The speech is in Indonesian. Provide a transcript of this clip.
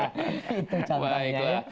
itu contohnya ya